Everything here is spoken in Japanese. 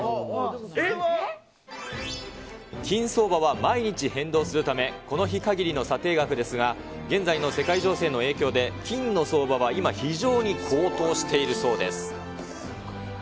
金相場は毎日変動するため、この日限りの査定額ですが、現在の世界情勢の影響で、金の相場は今、非常に高騰しているそうです。